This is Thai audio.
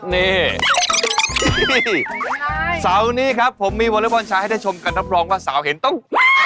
นี่เสาร์นี้ครับผมมีวอเล็กบอลชายให้ได้ชมกันรับรองว่าสาวเห็นต้อง